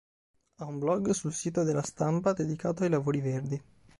Ha un blog sul sito de La Stampa dedicato ai lavori verdi..